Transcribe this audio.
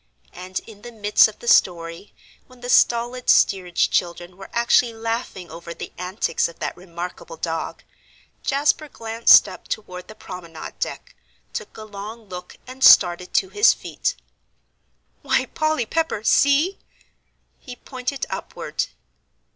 And in the midst of the story, when the stolid steerage children were actually laughing over the antics of that remarkable dog, Jasper glanced up toward the promenade deck, took a long look, and started to his feet. "Why, Polly Pepper, see!" He pointed upward.